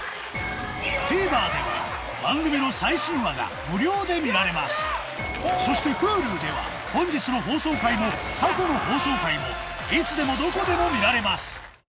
ＴＶｅｒでは番組の最新話が無料で見られますそしてＨｕｌｕでは本日の放送回も過去の放送回もいつでもどこでも見られます